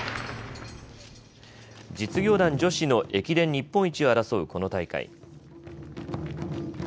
実業団女子の駅伝日本一を争うこの大会。